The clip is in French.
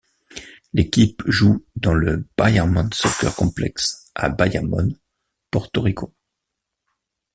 L'équipe joue dans l' Bayamón Soccer Complex à Bayamón, Porto Rico.